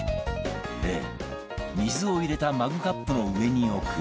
Ａ 水を入れたマグカップの上に置く